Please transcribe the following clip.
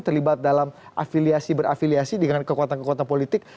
terlibat dalam afiliasi berafiliasi dengan kekuatan kekuatan politik